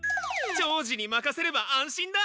長次にまかせれば安心だ！